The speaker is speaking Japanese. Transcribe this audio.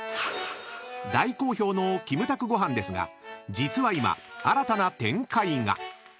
［大好評のキムタクごはんですが実は今新たな展開が］